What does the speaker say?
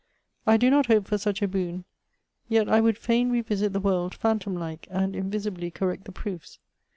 I do not hope for such a boon ; yet I would fain revisit the world, phantom like, and invisibly correct the proofs.